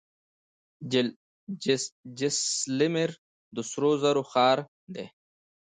جیسلمیر د سرو زرو ښار دی.